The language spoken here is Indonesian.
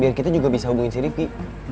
biar kita juga bisa hubungin si ricky